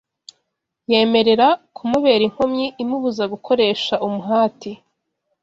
yemerera kumubera inkomyi imubuza gukoresha umuhati